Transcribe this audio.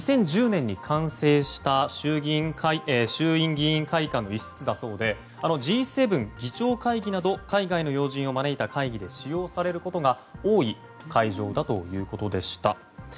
２０１０年に完成した衆議院議員会館の一室だそうでＧ７議長会議など海外の要人を招いた会議で使用されることが多い会場だということでした。